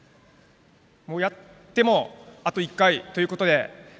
やってもあと１回ということで。